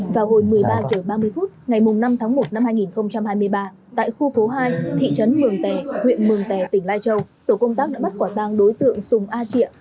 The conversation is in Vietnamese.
vào hồi một mươi ba h ba mươi phút ngày năm tháng một năm hai nghìn hai mươi ba tại khu phố hai thị trấn mường tè huyện mường tè tỉnh lai châu tổ công tác đã bắt quả tang đối tượng sùng a triệu